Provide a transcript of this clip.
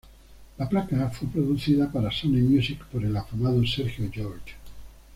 La placa fue producida para Sony Music por el afamado Sergio George.